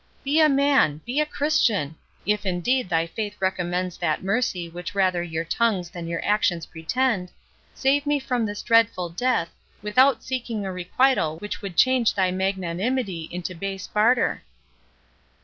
"Be a man, be a Christian! If indeed thy faith recommends that mercy which rather your tongues than your actions pretend, save me from this dreadful death, without seeking a requital which would change thy magnanimity into base barter."